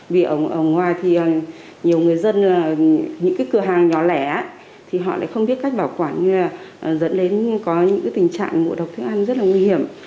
vì ở ngoài thì nhiều người dân những cái cửa hàng nhỏ lẻ thì họ lại không biết cách bảo quản như là dẫn đến có những tình trạng ngộ độc thức ăn rất là nguy hiểm